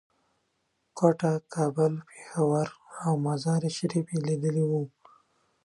کوټه، کابل، پېښور او مزار شریف یې لیدلي وو.